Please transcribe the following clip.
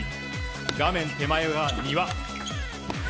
画面手前が丹羽。